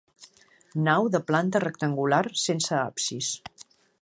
Nau de planta rectangular, sense absis.